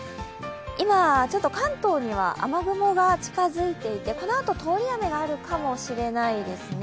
今、関東には雨雲が近づいていて、このあと通り雨があるかもしれないですね。